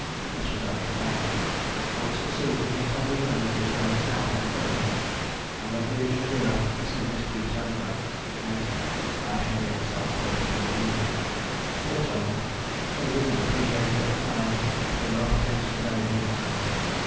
This was only a feint. Once at sea, he had told his men that he was going south instead of north; and when he reached Madeira he sent this brief telegram, which meant, "I shall be at the South Pole before you." It also meant, though we did not appreciate it at the time, that we were up against a very big man.